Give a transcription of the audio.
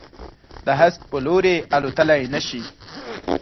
د هسک په لوري، الوتللای نه شي